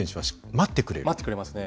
待ってくれますね。